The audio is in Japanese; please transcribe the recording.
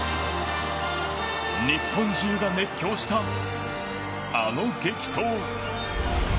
日本中が熱狂したあの激闘。